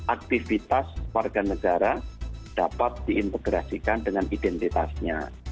aktivitas warga negara dapat diintegrasikan dengan identitasnya